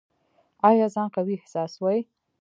ایا ځان قوي احساسوئ؟